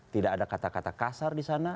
tidak ada kata kata kasar di sana